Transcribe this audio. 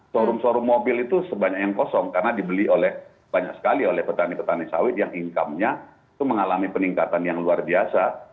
showroom showroom mobil itu sebanyak yang kosong karena dibeli oleh banyak sekali oleh petani petani sawit yang income nya itu mengalami peningkatan yang luar biasa